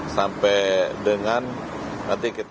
sampai dengan nanti kita